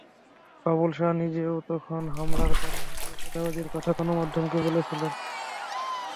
বাবলু সাহা নিজেও তখন হামলার কারণ হিসেবে চাঁদাবাজির কথা গণমাধ্যমকে বলেছিলেন।